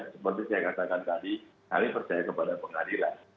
seperti saya katakan tadi kami percaya kepada pengadilan